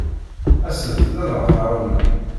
Aset-d ad aɣ-tɛawnem.